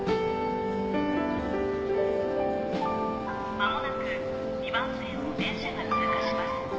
間もなく２番線を電車が通過します。